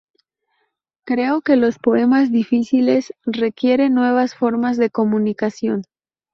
Creo que los poemas difíciles requieren nuevas formas de comunicación".